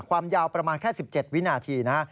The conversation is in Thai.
ความยาวประมาณแค่๑๗วินาทีนะฮะ